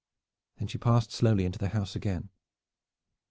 Then she passed slowly into the house again.